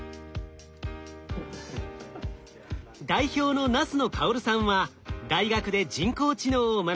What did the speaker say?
代表の那須野薫さんは大学で人工知能を学び